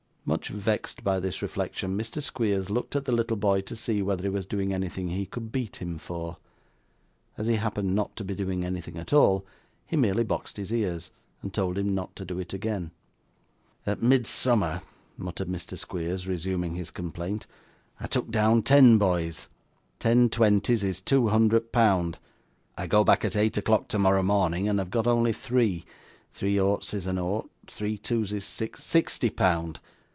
Much vexed by this reflection, Mr. Squeers looked at the little boy to see whether he was doing anything he could beat him for. As he happened not to be doing anything at all, he merely boxed his ears, and told him not to do it again. 'At Midsummer,' muttered Mr. Squeers, resuming his complaint, 'I took down ten boys; ten twenties is two hundred pound. I go back at eight o'clock tomorrow morning, and have got only three three oughts is an ought three twos is six sixty pound.